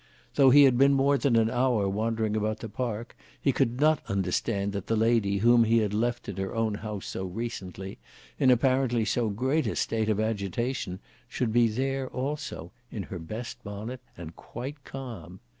Though he had been more than an hour wandering about the park he could not understand that the lady whom he had left in her own house so recently, in apparently so great a state of agitation, should be there also, in her best bonnet and quite calm.